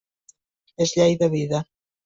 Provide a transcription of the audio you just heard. És llei de vida.